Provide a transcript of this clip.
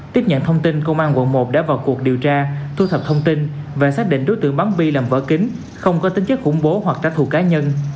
tiếp nhận thông tin công an quận một đã vào cuộc điều tra thu thập thông tin và xác định đối tượng bắn bi làm vỡ kính không có tính chất khủng bố hoặc trả thù cá nhân